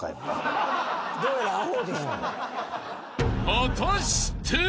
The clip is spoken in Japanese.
［果たして？］